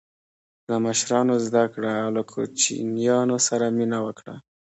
له مشرانو زده کړه او له کوچنیانو سره مینه وکړه.